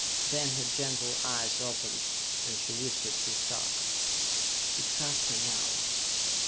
Then her gentle eyes opened and she whispered to Sarka. "You trust me now?"